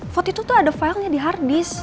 foto itu tuh ada filenya di hardisk